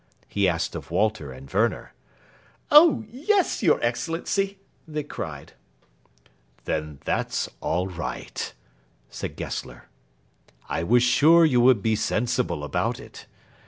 he asked of Walter and Werner. "Oh yes, your Excellency!" they cried. "Then that's all right," said Gessler. "I was sure you would be sensible about it.